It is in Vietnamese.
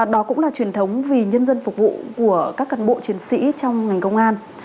đó cũng là truyền thống vì nhân dân phục vụ của các cán bộ chiến sĩ trong ngành công an